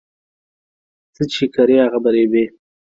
څه چې کرې هغه په رېبې